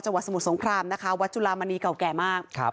จังหวัดสมุทรสงครามนะคะวัดจุลามณีเก่าแก่มากครับ